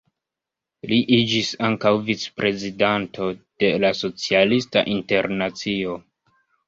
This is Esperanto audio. Li iĝis ankaŭ vicprezidanto de la Socialista Internacio.